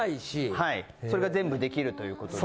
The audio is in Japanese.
はいそれが全部できるということで。